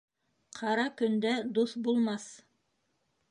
Ҡара көндә дуҫ булмаҫ.